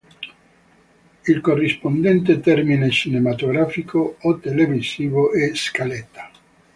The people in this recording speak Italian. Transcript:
Il corrispondente termine cinematografico o televisivo è scaletta.